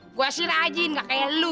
gue sih rajin gak kayak lu